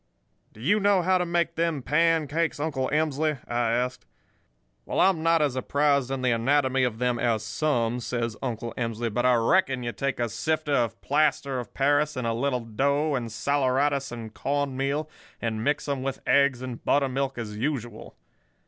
"'Do you know how to make them pancakes, Uncle Emsley?' I asked. "'Well, I'm not as apprised in the anatomy of them as some,' says Uncle Emsley, 'but I reckon you take a sifter of plaster of Paris and a little dough and saleratus and corn meal, and mix 'em with eggs and buttermilk as usual.